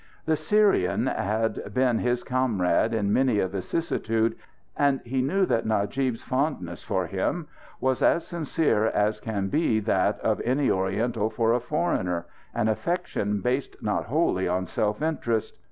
The Syrian had been his comrade in many a vicissitude And he knew that Najib's fondness for him was as sincere as can be that of any Oriental for a foreigner, an affection based not wholly on self interest.